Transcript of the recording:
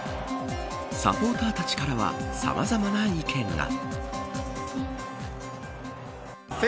サポーターたちからはさまざまな意見が。